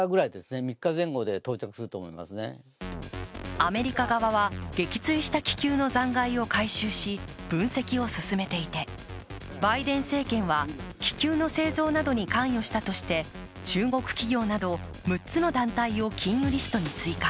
アメリカ側は撃墜した気球の残骸を回収し、分析を進めていてバイデン政権は気球の製造などに関与したとして中国企業など６つの団体を禁輸リストに追加。